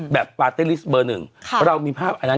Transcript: แบบปาร์ต์นิสเบอร์หนึ่งครับเพราะเรามีภาพอันนั้น